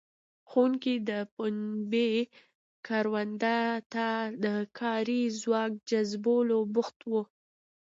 ښوونکي د پنبې کروندو ته د کاري ځواک جذبولو بوخت وو.